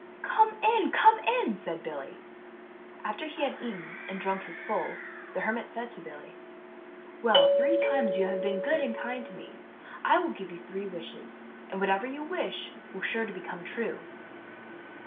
" Come in, come in !" said Billy. After he had eaten and drunk his full, the hermit said to Billy :" Well, three times have you been good and kind to me. I'll give you three wishes, and whatever you wish will be sure to come true."